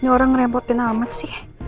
ini orang ngerepotin amat sih